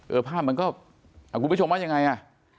เออภาพมันก็อะกูไปชมว่ายังไงอ่ะ